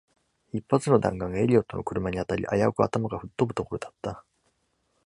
一発の弾丸がエリオットの車に当たり、あやうく頭が吹っ飛ぶところだった。